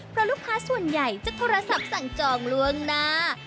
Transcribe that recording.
เพราะลูกค้าส่วนใหญ่จะโทรศัพท์สั่งจองล่วงหน้า